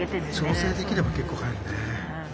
調整できれば結構入るね。